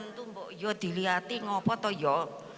itu ya dilihatin apa itu ya